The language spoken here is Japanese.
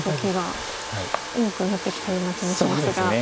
多くなってきたような気もしますが。